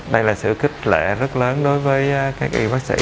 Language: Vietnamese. đây là sự kích lệ rất lớn đối với các y bác sĩ